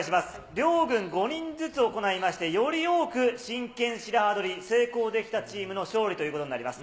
両軍５人ずつ行いまして、より多く真剣白刃取り、成功できたチームの勝利ということになります。